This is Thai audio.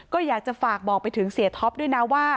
ก็อยากจะฝากบอกไปถึงเสียท็อปด้วยนะว่า